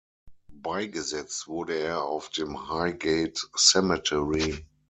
Beigesetzt wurde er auf dem Highgate Cemetery.